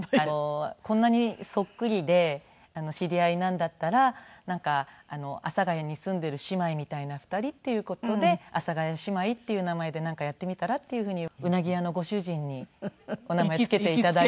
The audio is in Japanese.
こんなにそっくりで知り合いなんだったら阿佐ヶ谷に住んでいる姉妹みたいな２人っていう事で阿佐ヶ谷姉妹っていう名前でなんかやってみたらっていうふうにウナギ屋のご主人にお名前つけて頂いたもんですから。